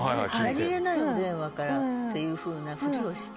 何気ないお電話からっていうふうなフリをして。